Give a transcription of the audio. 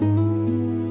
gak gak gak